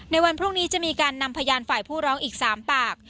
ในวันพรุ่งนี้จะมีการนำพยานฝ่ายผู้ร้องอีก๓ปาก